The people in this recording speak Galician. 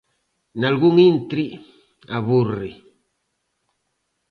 Nalgún intre, aburre.